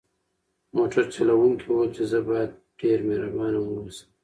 موټر چلونکي وویل چې زه باید ډېر مهربان واوسم.